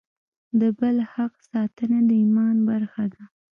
د بل حق ساتنه د ایمان برخه ده.